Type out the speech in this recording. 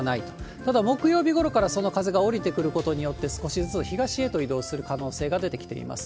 ただ、木曜日ごろからその風が下りてくることによって、少しずつ東へと移動する可能性が出てきています。